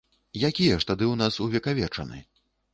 Якія ж тады ў нас увекавечаны?